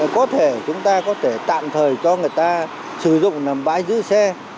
có thể chúng ta có thể tạm thời cho người ta sử dụng làm bãi giữ xe